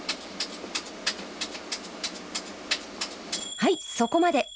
はいそこまで！